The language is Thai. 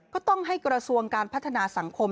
ก็ต้องให้กระทรวงการพัฒนาสังคม